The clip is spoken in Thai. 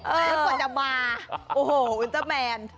เมื่อก่อนจะมาโอ้โหอุลตาแมน